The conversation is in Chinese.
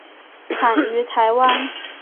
产于台湾。